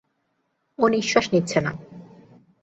ও নিশ্বাস নিচ্ছে না।